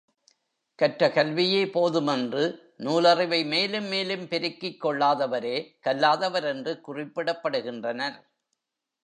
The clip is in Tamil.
கற்ற கல்வியே போதும் என்று நூலறிவை மேலும் மேலும் பெருக்கிக் கொள்ளாதவரே கல்லாதவர் என்று குறிப்பிடப்படுகின்றனர்.